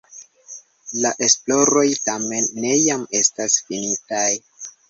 La esploroj tamen ne jam estas finitaj.